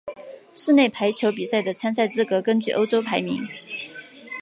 室内排球比赛的参赛资格根据欧洲排名。